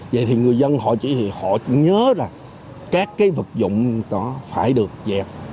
vậy thì người dân họ chỉ nhớ là các cái vật dụng đó phải được dẹp